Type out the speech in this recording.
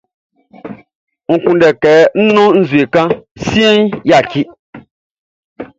N kunndɛ kɛ ń nɔ́n nzue kan siɛnʼn, yaki.